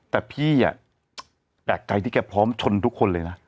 แต่พี่แปลกใจที่แกพร้อมชนทุกคนเลยนะ